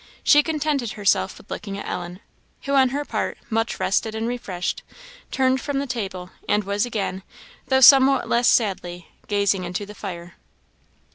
She contented herself with looking at Ellen, who, on her part, much rested and refreshed, turned from the table, and was again, though somewhat less sadly, gazing into the fire.